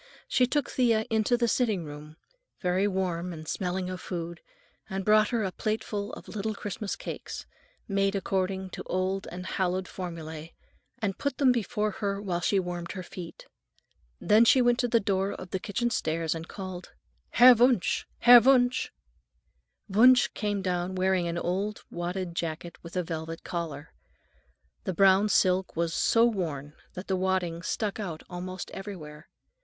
She took Thea into the sitting room, very warm and smelling of food, and brought her a plateful of little Christmas cakes, made according to old and hallowed formulae, and put them before her while she warmed her feet. Then she went to the door of the kitchen stairs and called: "Herr Wunsch, Herr Wunsch!" Wunsch came down wearing an old wadded jacket, with a velvet collar. The brown silk was so worn that the wadding stuck out almost everywhere.